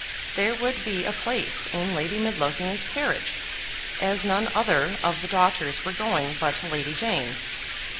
There would be a place in Lady Midlothian's carriage, as none other of the daughters were going but Lady Jane.